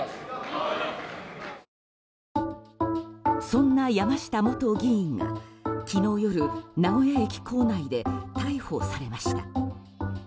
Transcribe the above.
そんな山下元議員が昨日夜、名古屋駅構内で逮捕されました。